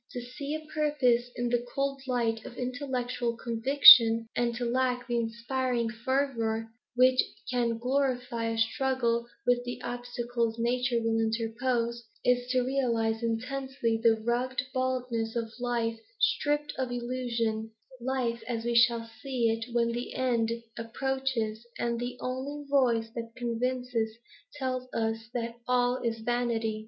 To see a purpose in the cold light of intellectual conviction, and to lack the inspiring fervour which can glorify a struggle with the obstacles nature will interpose, is to realise intensely the rugged baldness of life stripped of illusion, life as we shall see it when the end approaches and the only voice that convinces tell us that all is vanity.